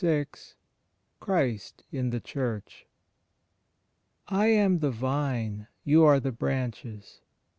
VI CHRIST IN THE CHURCH / am the Vine; you the branches.